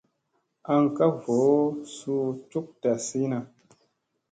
Aŋ ka voo su cuk ta si na.